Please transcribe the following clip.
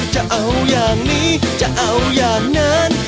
จะเอาอย่างนี้จะเอาอย่างนั้น